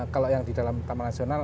kalau yang di dalam taman nasional